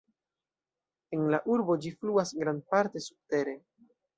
En la urbo ĝi fluas grandparte subtere.